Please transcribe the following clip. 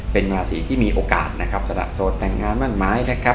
เป็นราศีที่มีโอกาสนะครับสละโสดแต่งงานมั่นหมายนะครับ